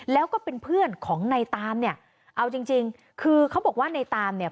แล้วก็เป็นเพื่อนของในตามเนี่ยเอาจริงจริงคือเขาบอกว่าในตามเนี่ย